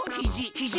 ひじ。